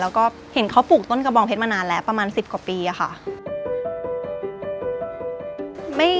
แล้วก็เห็นเขาปลูกต้นกระบองเพชรมานานแล้วประมาณ๑๐กว่าปีอะค่ะ